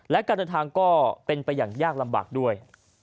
และการเดินทางก็เป็นไปอย่างยากลำบากด้วย